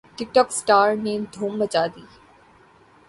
ٹک ٹوک سٹارز نے دھوم مچا دی